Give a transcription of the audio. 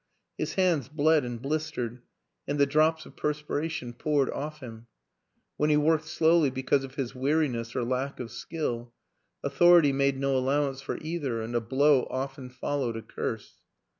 His hands bled and blistered and the drops of perspiration poured off him; when he worked slowly because of his weariness of lack of skill, authority made no allowance for either and a blow often followed a curse.